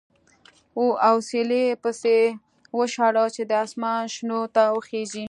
اوسیلی یې پسې وشاړه چې د اسمان شنو ته وخېژي.